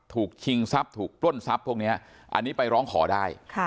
ชิงทรัพย์ถูกปล้นทรัพย์พวกนี้อันนี้ไปร้องขอได้